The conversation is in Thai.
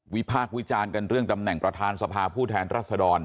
พากษ์วิจารณ์กันเรื่องตำแหน่งประธานสภาผู้แทนรัศดร